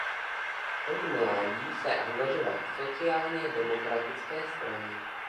Od mládí se angažoval v sociálně demokratické straně.